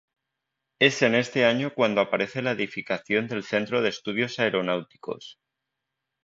Es en este año cuando aparece la edificación del Centro de Estudios Aeronáuticos.